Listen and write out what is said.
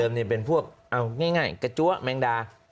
แต่เดิมันพเป็นพวกเอาง่ายกระจั้วแมงดา